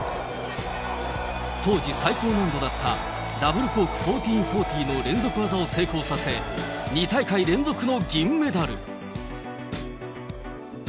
当時、最高難度だったダブルコーク１４４０の連続技を成功させ、２大会連続の銀メダル。